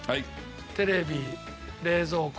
テレビ冷蔵庫。